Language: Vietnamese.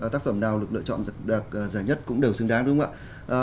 tác phẩm nào được lựa chọn đạt giải nhất cũng đều xứng đáng đúng không ạ